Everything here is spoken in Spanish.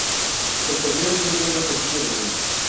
Es el torneo de fútbol más antiguo del mundo.